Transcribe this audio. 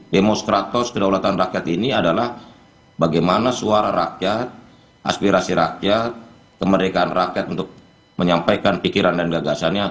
demostratos kedaulatan rakyat ini adalah bagaimana suara rakyat aspirasi rakyat kemerdekaan rakyat untuk menyampaikan pikiran dan gagasannya